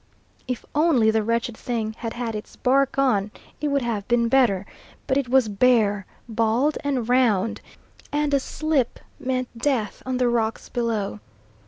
If only the wretched thing had had its bark on it would have been better, but it was bare, bald, and round, and a slip meant death on the rocks below.